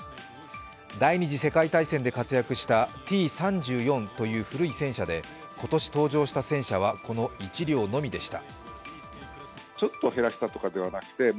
第二次世界大戦で活躍したＴ−３４という古い戦車で、今年登場した戦車は、この１両のみでした。